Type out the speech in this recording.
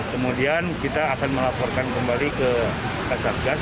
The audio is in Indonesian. kemudian kita akan melaporkan kembali ke kasatgas